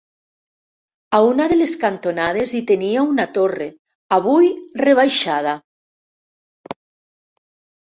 A una de les cantonades hi tenia una torre, avui rebaixada.